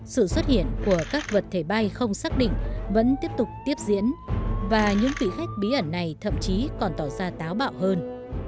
sự xuất hiện của các vật thể bay không xác định vẫn tiếp tục tiếp diễn và những vị khách bí ẩn này thậm chí còn tỏ ra táo bạo hơn